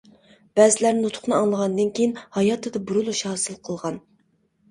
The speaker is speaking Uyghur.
بەزىلەر نۇتۇقنى ئاڭلىغاندىن كېيىن ھاياتىدا بۇرۇلۇش ھاسىل قىلغان.